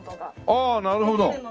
ああなるほど。